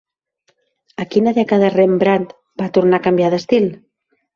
A quina dècada Rembrandt va tornar a canviar d'estil?